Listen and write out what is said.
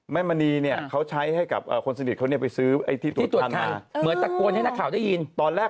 มณีเนี่ยเขาใช้ให้กับคนสนิทเขาเนี่ยไปซื้อไอ้ตัวทันเหมือนตะโกนให้นักข่าวได้ยินตอนแรก